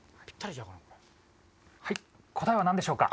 答えは何でしょうか？